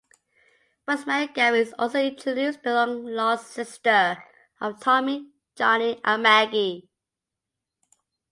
Rosemary Gavin is also introduced, the long lost sister of Tommy, Johnny, and Maggie.